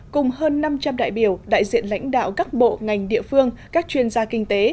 cùng hơn năm trăm linh đại biểu đại diện lãnh đạo các bộ ngành địa phương các chuyên gia kinh tế